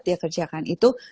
dia kerjakan itu